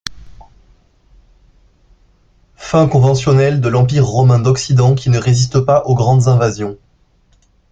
Fin conventionnelle de l'Empire romain d'Occident qui ne résiste pas aux grandes invasions.